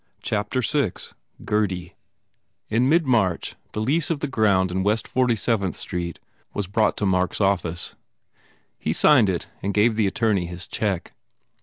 134 VI Gurdy IN mid March the lease of the ground in West 47th Street was brought to Mark s office. He signed it and gave the attorney his check.